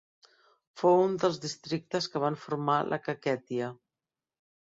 Fou un dels districtes que van formar la Kakhètia.